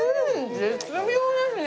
絶妙ですね。